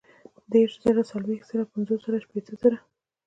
دېرش زره ، څلوېښت زره ، پنځوس زره ، شپېته زره